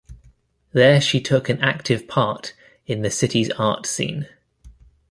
There she took an active part in the city's art scene.